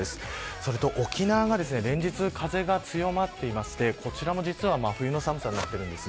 それと沖縄が連日、風が強まっていてこちらも実は真冬の寒さになっているんです。